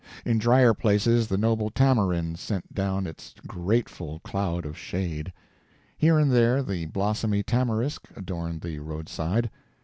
In drier places the noble tamarind sent down its grateful cloud of shade. Here and there the blossomy tamarisk adorned the roadside.